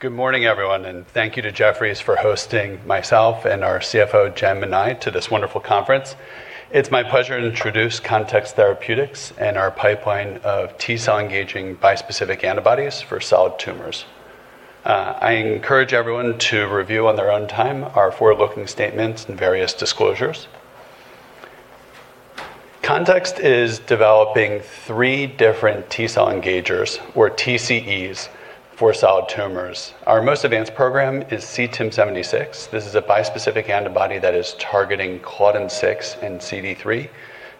Good morning, everyone, thank you to Jefferies for hosting myself and our CFO, Jen Minai, to this wonderful conference. It's my pleasure to introduce Context Therapeutics and our pipeline of T-cell engaging bispecific antibodies for solid tumors. I encourage everyone to review on their own time our forward-looking statements and various disclosures. Context is developing three different T-cell engagers or TCEs for solid tumors. Our most advanced program is CTIM-76. This is a bispecific antibody that is targeting Claudin 6 and CD3.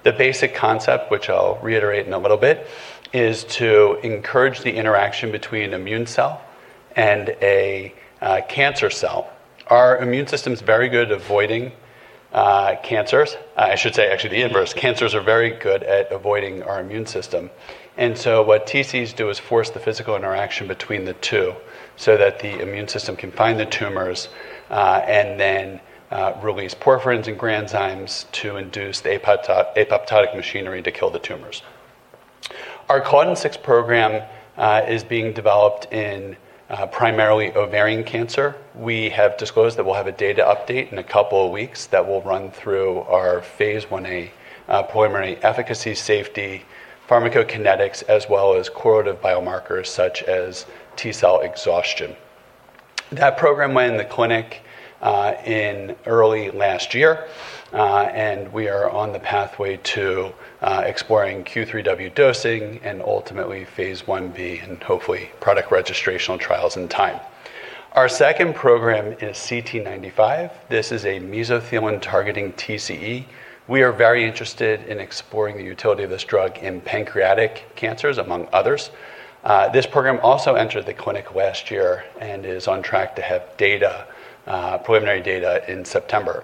The basic concept, which I'll reiterate in a little bit, is to encourage the interaction between immune cell and a cancer cell. Our immune system is very good at avoiding cancers. I should say, actually, the inverse. Cancers are very good at avoiding our immune system. What TCEs do is force the physical interaction between the two so that the immune system can find the tumors, then release perforins and granzymes to induce the apoptotic machinery to kill the tumors. Our Claudin 6 program is being developed in primarily ovarian cancer. We have disclosed that we'll have a data update in a couple of weeks that will run through our phase I-A preliminary efficacy, safety, pharmacokinetics, as well as correlative biomarkers such as T-cell exhaustion. That program went in the clinic in early last year. We are on the pathway to exploring Q3W dosing and ultimately phase I-B and hopefully product registrational trials in time. Our second program is CT-95. This is a mesothelin-targeting TCE. We are very interested in exploring the utility of this drug in pancreatic cancers, among others. This program also entered the clinic last year and is on track to have preliminary data in September.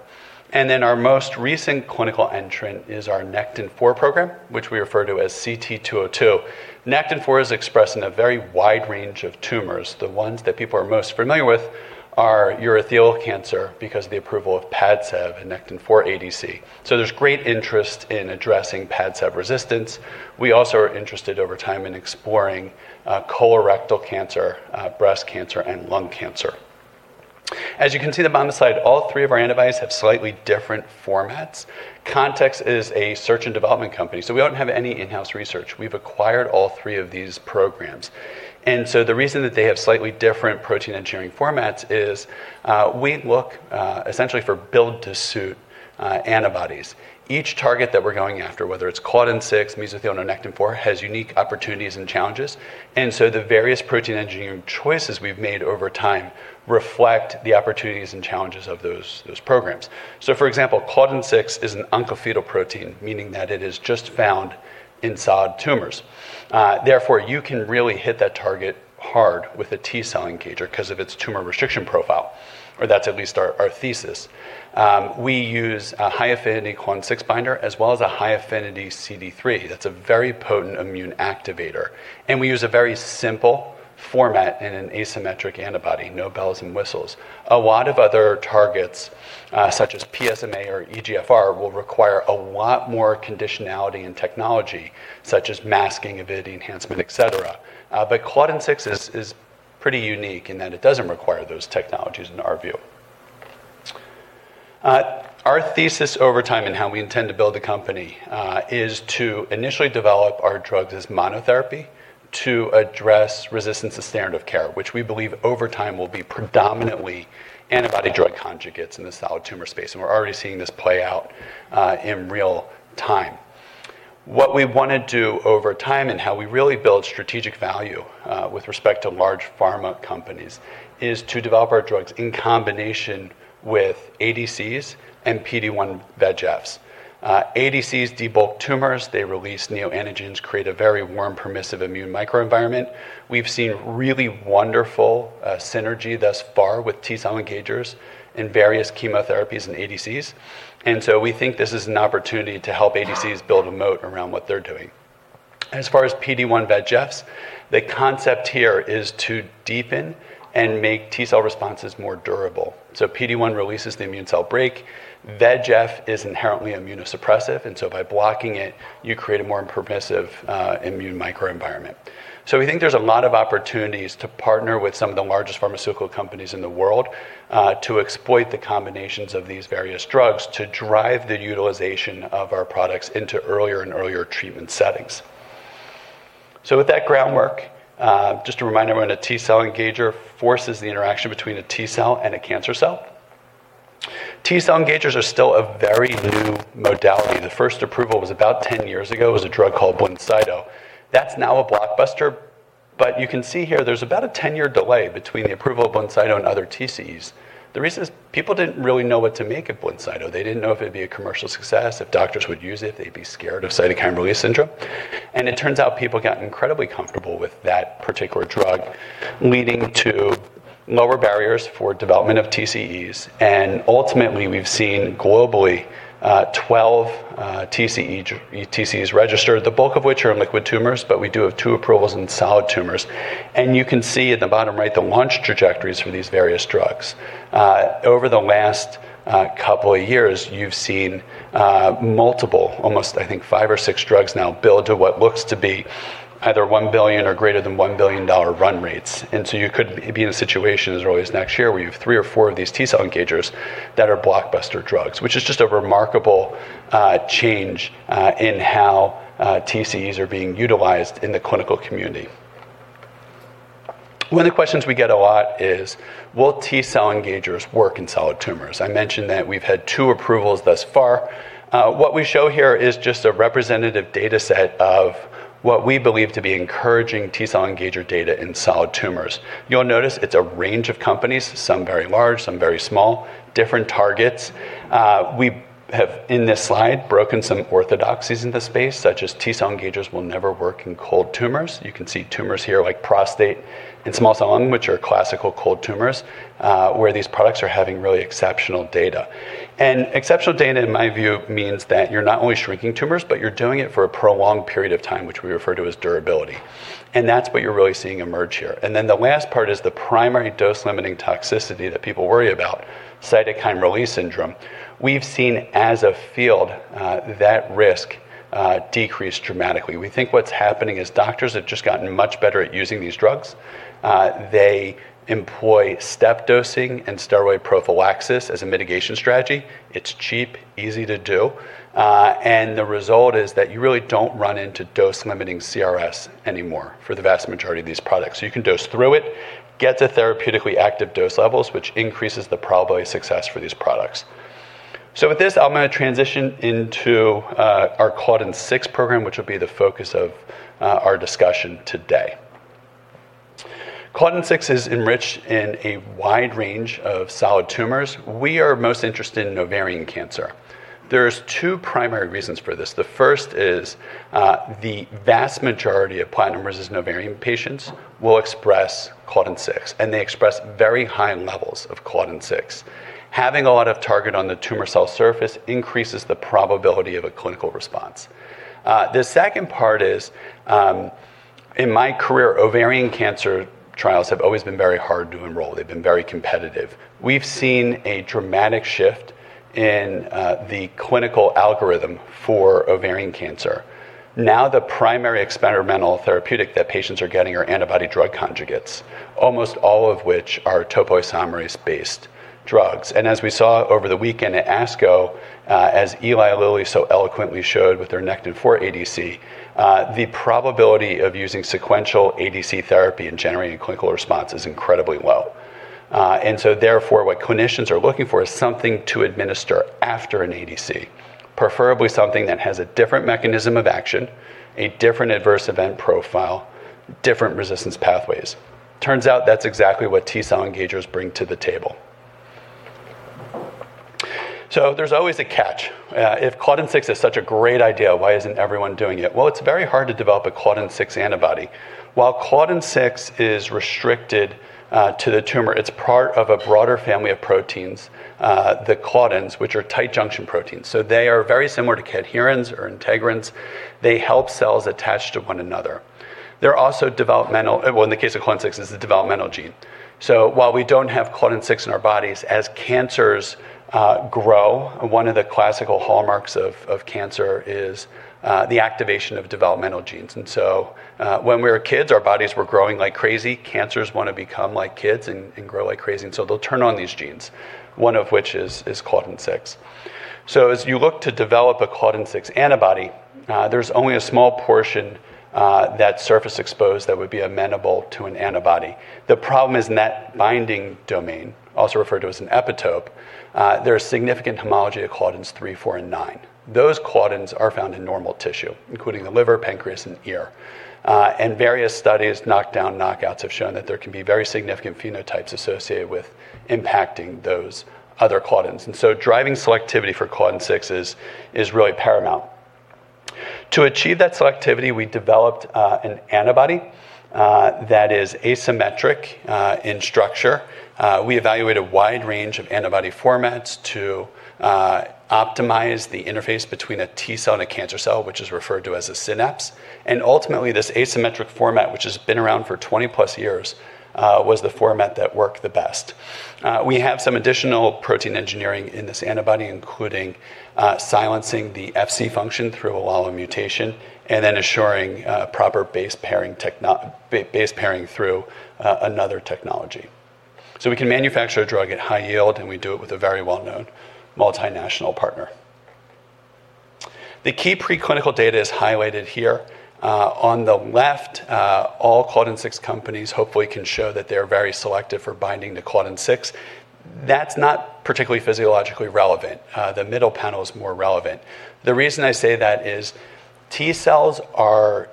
Our most recent clinical entrant is our Nectin-4 program, which we refer to as CT-202. Nectin-4 is expressed in a very wide range of tumors. The ones that people are most familiar with are urothelial cancer because of the approval of PADCEV and Nectin-4 ADC. There's great interest in addressing PADCEV resistance. We also are interested over time in exploring colorectal cancer, breast cancer, and lung cancer. As you can see on the bottom of the slide, all three of our antibodies have slightly different formats. Context is a search and development company, so we don't have any in-house research. We've acquired all three of these programs. The reason that they have slightly different protein engineering formats is we look essentially for build-to-suit antibodies. Each target that we're going after, whether it's Claudin 6, mesothelin, or Nectin-4, has unique opportunities and challenges. The various protein engineering choices we've made over time reflect the opportunities and challenges of those programs. For example, Claudin 6 is an oncofetal protein, meaning that it is just found in solid tumors. Therefore, you can really hit that target hard with a T-cell engager because of its tumor restriction profile, or that's at least our thesis. We use a high-affinity Claudin 6 binder as well as a high-affinity CD3. That's a very potent immune activator. We use a very simple format in an asymmetric antibody, no bells and whistles. A lot of other targets, such as PSMA or EGFR, will require a lot more conditionality and technology, such as masking, avidity enhancement, et cetera. Claudin 6 is pretty unique in that it doesn't require those technologies in our view. Our thesis over time and how we intend to build the company is to initially develop our drugs as monotherapy to address resistance to standard of care, which we believe over time will be predominantly antibody-drug conjugates in the solid tumor space. We're already seeing this play out in real-time. What we want to do over time and how we really build strategic value with respect to large pharma companies is to develop our drugs in combination with ADCs and PD-1/VEGFs. ADCs debulk tumors. They release neoantigens, create a very warm, permissive immune microenvironment. We've seen really wonderful synergy thus far with T-cell engagers in various chemotherapies and ADCs. We think this is an opportunity to help ADCs build a moat around what they're doing. PD-1/VEGF, the concept here is to deepen and make T-cell responses more durable. PD-1 releases the immune cell brake. VEGF is inherently immunosuppressive, by blocking it, you create a more permissive immune microenvironment. We think there's a lot of opportunities to partner with some of the largest pharmaceutical companies in the world to exploit the combinations of these various drugs to drive the utilization of our products into earlier and earlier treatment settings. With that groundwork, just to remind everyone, a T-cell engager forces the interaction between a T-cell and a cancer cell. T-cell engagers are still a very new modality. The first approval was about 10 years ago. It was a drug called BLINCYTO. That's now a blockbuster. You can see here there's about a 10-year delay between the approval of BLINCYTO and other TCEs. The reason is people didn't really know what to make of BLINCYTO. They didn't know if it'd be a commercial success, if doctors would use it, they'd be scared of cytokine release syndrome. It turns out people got incredibly comfortable with that particular drug, leading to lower barriers for development of TCEs. Ultimately, we've seen globally 12 TCEs registered, the bulk of which are in liquid tumors, but we do have two approvals in solid tumors. You can see at the bottom right the launch trajectories for these various drugs. Over the last couple of years, you've seen multiple, almost I think five or six drugs now build to what looks to be $1 billion or greater than $1 billion run rates. You could be in a situation as early as next year where you have three or four of these T-cell engagers that are blockbuster drugs, which is just a remarkable change in how TCEs are being utilized in the clinical community. One of the questions we get a lot is, will T-cell engagers work in solid tumors? I mentioned that we've had two approvals thus far. What we show here is just a representative data set of what we believe to be encouraging T-cell engager data in solid tumors. You'll notice it's a range of companies, some very large, some very small, different targets. We have, in this slide, broken some orthodoxies in the space, such as T-cell engagers will never work in cold tumors. You can see tumors here like prostate and small cell lung, which are classical cold tumors, where these products are having really exceptional data. Exceptional data, in my view, means that you're not only shrinking tumors, but you're doing it for a prolonged period of time, which we refer to as durability. That's what you're really seeing emerge here. The last part is the primary dose-limiting toxicity that people worry about, cytokine release syndrome. We've seen as a field, that risk decrease dramatically. We think what's happening is doctors have just gotten much better at using these drugs. They employ step dosing and steroid prophylaxis as a mitigation strategy. It's cheap, easy to do. The result is that you really don't run into dose-limiting CRS anymore for the vast majority of these products. You can dose through it, get to therapeutically active dose levels, which increases the probability of success for these products. With this, I'm going to transition into our Claudin 6 program, which will be the focus of our discussion today. Claudin 6 is enriched in a wide range of solid tumors. We are most interested in ovarian cancer. There's two primary reasons for this. The first is, the vast majority of platinum-resistant ovarian patients will express Claudin 6, and they express very high levels of Claudin 6. Having a lot of target on the tumor cell surface increases the probability of a clinical response. The second part is, in my career, ovarian cancer trials have always been very hard to enroll. They've been very competitive. We've seen a dramatic shift in the clinical algorithm for ovarian cancer. The primary experimental therapeutic that patients are getting are antibody drug conjugates, almost all of which are topoisomerase-based drugs. As we saw over the weekend at ASCO, as Eli Lilly so eloquently showed with their Nectin-4 ADC, the probability of using sequential ADC therapy in generating clinical response is incredibly low. Therefore, what clinicians are looking for is something to administer after an ADC, preferably something that has a different mechanism of action, a different adverse event profile, different resistance pathways. Turns out that's exactly what T-cell engagers bring to the table. There's always a catch. If Claudin 6 is such a great idea, why isn't everyone doing it? Well, it's very hard to develop a Claudin 6 antibody. While Claudin 6 is restricted to the tumor, it's part of a broader family of proteins, the claudins, which are tight junction proteins. They are very similar to cadherins or integrins. They help cells attach to one another. Well, in the case of Claudin 6, it's a developmental gene. While we don't have Claudin 6 in our bodies, as cancers grow, one of the classical hallmarks of cancer is the activation of developmental genes. When we were kids, our bodies were growing like crazy. Cancers want to become like kids and grow like crazy, they'll turn on these genes, one of which is Claudin 6. As you look to develop a Claudin 6 antibody, there's only a small portion that's surface exposed that would be amenable to an antibody. The problem is in that binding domain, also referred to as an epitope, there is significant homology of Claudins 3, 4, and 9. Those Claudins are found in normal tissue, including the liver, pancreas, and ear. Various studies, knockdown, knockouts, have shown that there can be very significant phenotypes associated with impacting those other Claudins. Driving selectivity for Claudin 6 is really paramount. To achieve that selectivity, we developed an antibody that is asymmetric in structure. We evaluate a wide range of antibody formats to optimize the interface between a T-cell and a cancer cell, which is referred to as a synapse. Ultimately, this asymmetric format, which has been around for 20-plus years, was the format that worked the best. We have some additional protein engineering in this antibody, including silencing the Fc function through a LALA mutation and then assuring proper base pairing through another technology. We can manufacture a drug at high yield, and we do it with a very well-known multinational partner. The key preclinical data is highlighted here. On the left, all Claudin 6 companies hopefully can show that they are very selective for binding to Claudin 6. That's not particularly physiologically relevant. The middle panel is more relevant. The reason I say that is T-cells are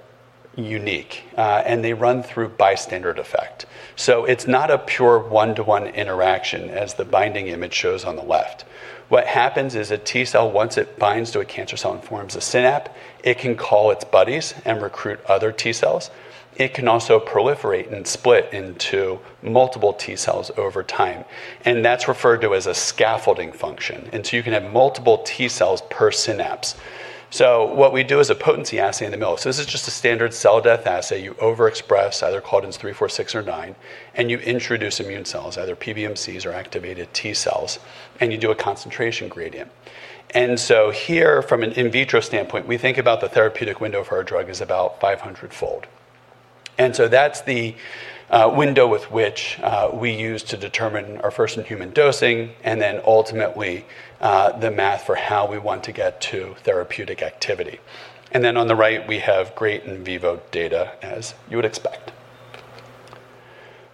unique, and they run through bystander effect. It's not a pure one-to-one interaction as the binding image shows on the left. What happens is a T-cell, once it binds to a cancer cell and forms a synapse, it can call its buddies and recruit other T-cells. It can also proliferate and split into multiple T-cells over time, and that's referred to as a scaffolding function. You can have multiple T-cells per synapse. What we do is a potency assay in the middle. This is just a standard cell death assay. You overexpress either Claudin 3, 4, 6, or 9, and you introduce immune cells, either PBMCs or activated T-cells, and you do a concentration gradient. Here, from an in vitro standpoint, we think about the therapeutic window for our drug is about 500-fold. That's the window with which we use to determine our first-in-human dosing and then ultimately, the math for how we want to get to therapeutic activity. On the right, we have great in vivo data as you would expect.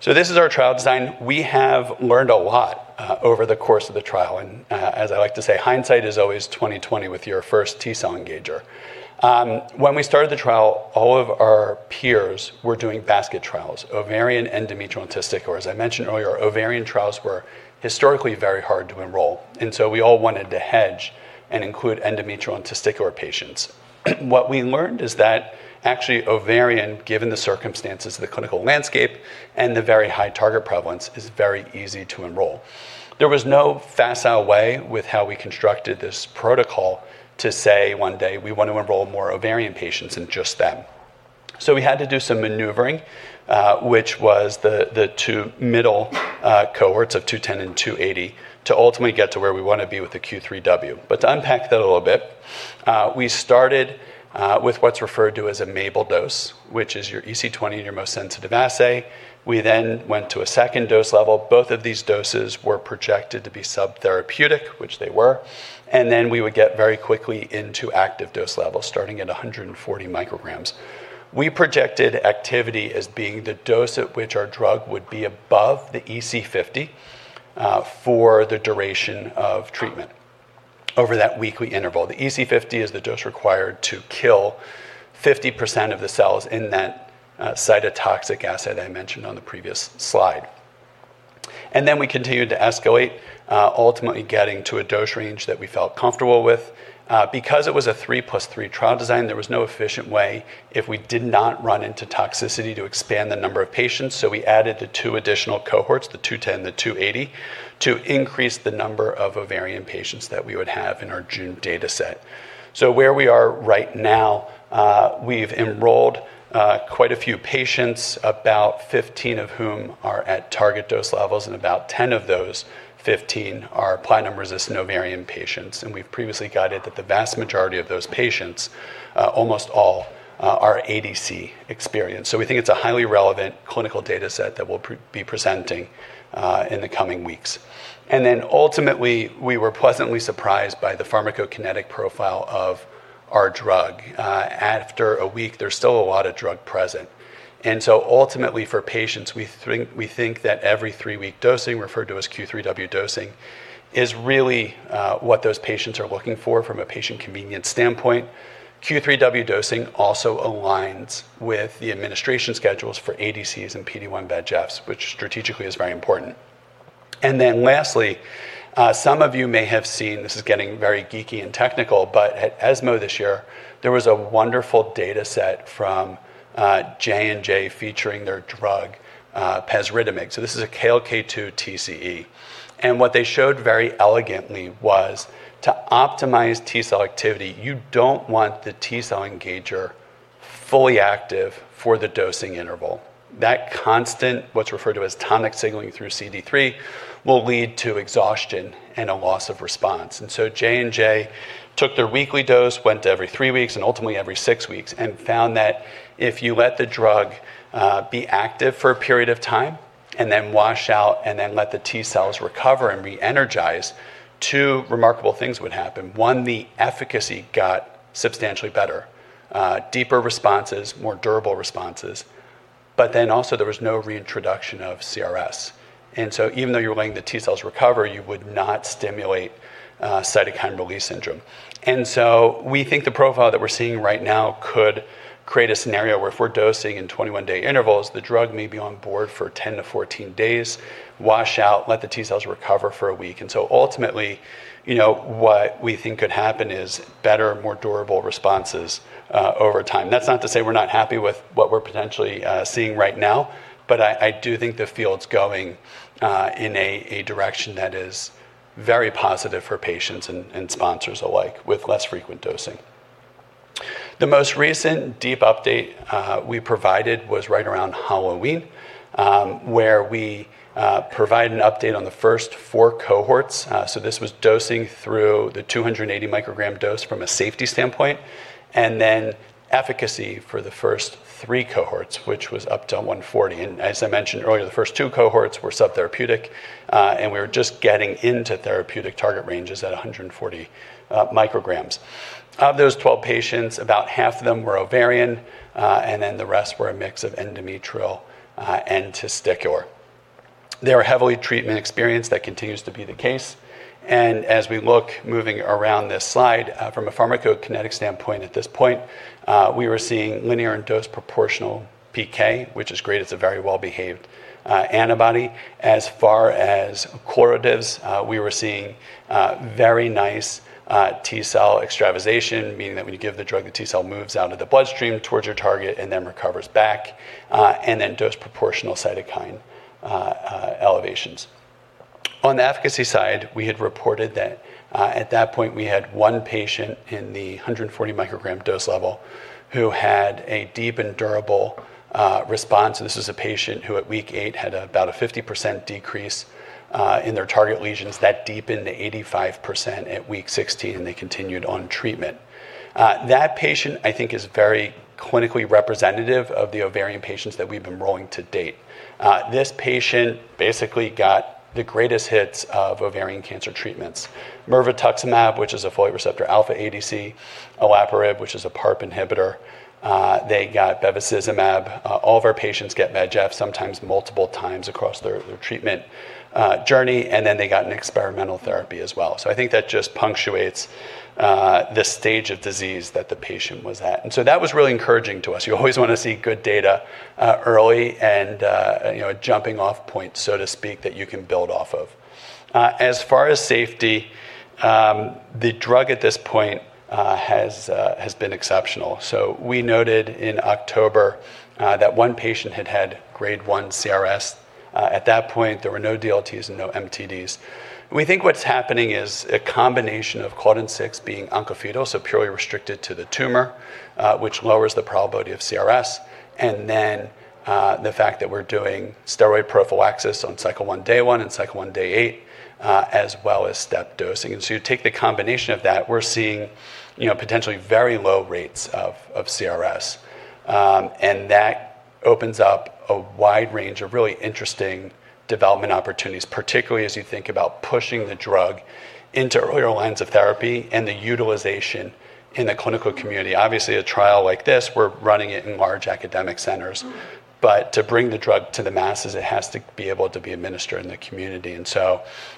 This is our trial design. We have learned a lot over the course of the trial. As I like to say, hindsight is always 20/20 with your first T-cell engager. When we started the trial, all of our peers were doing basket trials, ovarian, endometrial, and testicular. As I mentioned earlier, ovarian trials were historically very hard to enroll, and so we all wanted to hedge and include endometrial and testicular patients. What we learned is that actually ovarian, given the circumstances of the clinical landscape and the very high target prevalence, is very easy to enroll. There was no facile way with how we constructed this protocol to say one day we want to enroll more ovarian patients than just them. We had to do some maneuvering, which was the two middle cohorts of 210 and 280 to ultimately get to where we want to be with the Q3W. To unpack that a little bit, we started with what's referred to as a MABEL dose, which is your EC20 and your most sensitive assay. We went to a second dose level. Both of these doses were projected to be subtherapeutic, which they were, then we would get very quickly into active dose levels, starting at 140 micrograms. We projected activity as being the dose at which our drug would be above the EC50 for the duration of treatment over that weekly interval. The EC50 is the dose required to kill 50% of the cells in that cytotoxic assay that I mentioned on the previous slide. Then we continued to escalate, ultimately getting to a dose range that we felt comfortable with. Because it was a 3+3 trial design, there was no efficient way if we did not run into toxicity to expand the number of patients, we added the two additional cohorts, the 210, the 280, to increase the number of ovarian patients that we would have in our June dataset. Where we are right now, we've enrolled quite a few patients, about 15 of whom are at target dose levels, and about 10 of those 15 are platinum-resistant ovarian patients. We've previously guided that the vast majority of those patients, almost all are ADC experienced. We think it's a highly relevant clinical dataset that we'll be presenting in the coming weeks. Then ultimately, we were pleasantly surprised by the pharmacokinetic profile of our drug. After a week, there's still a lot of drug present. Ultimately for patients, we think that every three-week dosing referred to as Q3W dosing is really what those patients are looking for from a patient convenience standpoint. Q3W dosing also aligns with the administration schedules for ADCs and PD-1/PD-L1 bispecifics, which strategically is very important. Lastly, some of you may have seen, this is getting very geeky and technical, but at ESMO this year, there was a wonderful dataset from J&J featuring their drug pesritumig. This is a KLK2 TCE. What they showed very elegantly was to optimize T-cell activity, you don't want the T-cell engager fully active for the dosing interval. That constant, what's referred to as tonic signaling through CD3, will lead to exhaustion and a loss of response. J&J took their weekly dose, went to every three weeks, and ultimately every six weeks, and found that if you let the drug be active for a period of time and then wash out and then let the T-cells recover and re-energize, two remarkable things would happen. One, the efficacy got substantially better, deeper responses, more durable responses, but then also there was no reintroduction of CRS. Even though you're letting the T-cells recover, you would not stimulate Cytokine Release Syndrome. We think the profile that we are seeing right now could create a scenario where a full dosing in 21 day intervals, the drug maybe on board for 10-14 days, wash out, let the T-cells recover for a week until ultimately, what we think could happen is better, more durable responses over time. That's not to say we're not happy with what we're potentially seeing right now, but I do think the field's going in a direction that is very positive for patients and sponsors alike with less frequent dosing. The most recent deep update we provided was right around Halloween, where we provide an update on the first four cohorts. This was dosing through the 280 microgram dose from a safety standpoint, then efficacy for the first three cohorts, which was up to 140. As I mentioned earlier, the first two cohorts were subtherapeutic, and we were just getting into therapeutic target ranges at 140 micrograms. Of those 12 patients, about half of them were ovarian, and then the rest were a mix of endometrial and testicular. They were heavily treatment experienced, that continues to be the case. As we look moving around this slide, from a pharmacokinetic standpoint, at this point, we were seeing linear and dose proportional PK, which is great. It's a very well-behaved antibody. As far as correlates, we were seeing very nice T-cell extravasation, meaning that when you give the drug, the T-cell moves out of the bloodstream towards your target and then recovers back, and then dose proportional cytokine elevations. On the efficacy side, we had reported that at that point, we had one patient in the 140 microgram dose level who had a deep and durable response. This is a patient who at week eight had about a 50% decrease in their target lesions. That deepened to 85% at week 16, and they continued on treatment. That patient, I think, is very clinically representative of the ovarian patients that we've been rolling to date. This patient basically got the greatest hits of ovarian cancer treatments. mirvetuximab, which is a folate receptor alpha ADC, olaparib, which is a PARP inhibitor. They got bevacizumab. All of our patients get bevacizumab, sometimes multiple times across their treatment journey, and then they got an experimental therapy as well. I think that just punctuates the stage of disease that the patient was at. That was really encouraging to us. You always want to see good data early and a jumping-off point, so to speak, that you can build off of. As far as safety, the drug at this point has been exceptional. We noted in October that one patient had Grade 1 CRS. At that point, there were no DLTs and no MTDs. We think what's happening is a combination of Claudin 6 being onco-fetal, so purely restricted to the tumor, which lowers the probability of CRS, and then the fact that we're doing steroid prophylaxis on Cycle 1, Day 1, and Cycle 1, Day 8, as well as step dosing. You take the combination of that, we're seeing potentially very low rates of CRS. That opens up a wide range of really interesting development opportunities, particularly as you think about pushing the drug into earlier lines of therapy and the utilization in the clinical community. Obviously, a trial like this, we're running it in large academic centers. But to bring the drug to the masses, it has to be able to be administered in the community.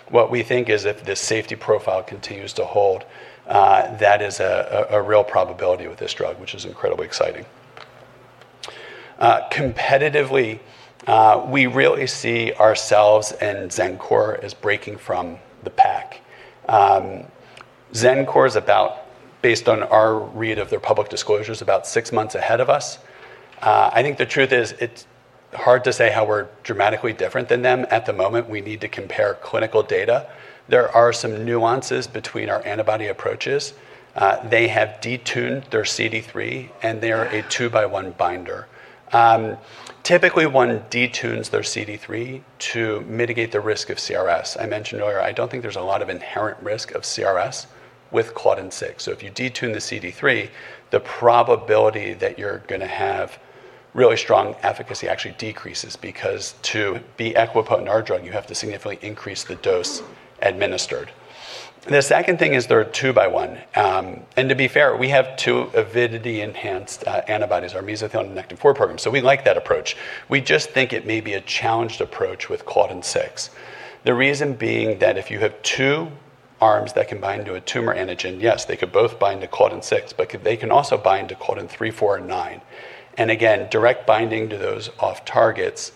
What we think is if this safety profile continues to hold, that is a real probability with this drug, which is incredibly exciting. Competitively, we really see ourselves and Xencor as breaking from the pack. Xencor is about, based on our read of their public disclosures, about six months ahead of us. I think the truth is it's hard to say how we're dramatically different than them at the moment. We need to compare clinical data. There are some nuances between our antibody approaches. They have detuned their CD3, and they're a two-by-one binder. Typically, one detunes their CD3 to mitigate the risk of CRS. I mentioned earlier, I don't think there's a lot of inherent risk of CRS with Claudin 6. If you detune the CD3, the probability that you're going to have really strong efficacy actually decreases because to be equipotent our drug you have to significantly increase the dose administered. The second thing is they're a two-by-one. To be fair, we have two avidity enhanced antibodies, our mesothelin Nectin-4 program. We like that approach. We just think it may be a challenged approach with Claudin 6. The reason being that if you have two arms that can bind to a tumor antigen, yes, they could both bind to Claudin 6, they can also bind to Claudin 3, 4, and 9. Again, direct binding to those off targets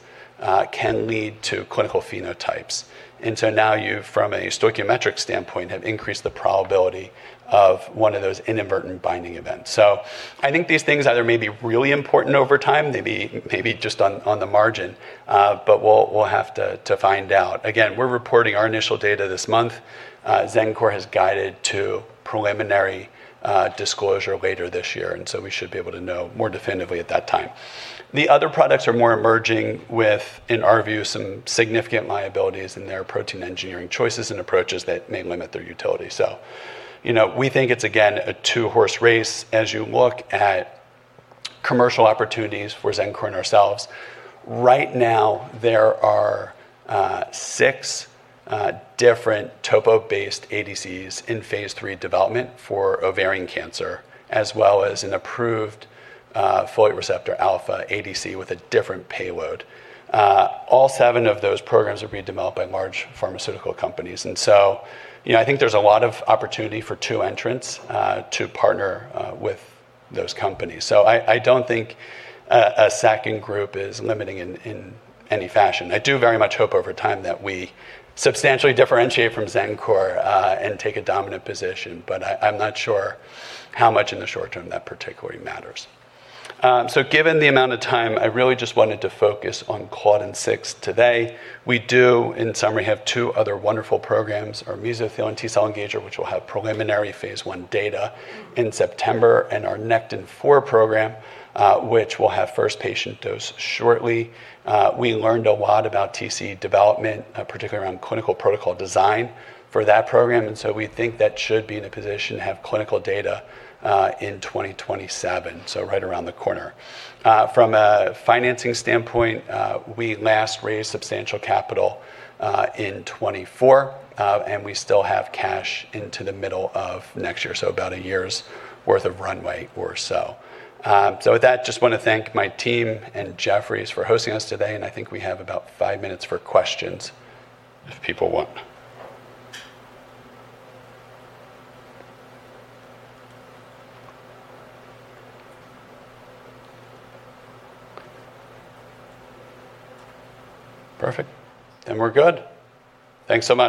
can lead to clinical phenotypes. Now you, from a stoichiometric standpoint, have increased the probability of one of those inadvertent binding events. I think these things either may be really important over time, maybe just on the margin, but we'll have to find out. Again, we're reporting our initial data this month. Xencor has guided to preliminary disclosure later this year, we should be able to know more definitively at that time. The other products are more emerging with, in our view, some significant liabilities in their protein engineering choices and approaches that may limit their utility. We think it's, again, a two-horse race as you look at commercial opportunities for Xencor and ourselves. Right now, there are six different TOPO-based ADCs in phase III development for ovarian cancer, as well as an approved folate receptor alpha ADC with a different payload. All seven of those programs are being developed by large pharmaceutical companies. I think there's a lot of opportunity for two entrants to partner with those companies. I don't think a second group is limiting in any fashion. I do very much hope over time that we substantially differentiate from Xencor and take a dominant position, but I'm not sure how much in the short term that particularly matters. Given the amount of time, I really just wanted to focus on Claudin 6 today. We do, in summary, have two other wonderful programs, our mesothelin T-cell engager, which will have preliminary phase I data in September, and our Nectin-4 program, which will have first patient dose shortly. We learned a lot about TC development, particularly around clinical protocol design for that program. We think that should be in a position to have clinical data in 2027, right around the corner. From a financing standpoint, we last raised substantial capital in 2024. We still have cash into the middle of next year, about a year's worth of runway or so. With that, just want to thank my team and Jefferies for hosting us today. I think we have about five minutes for questions if people want. Perfect. We're good. Thanks so much.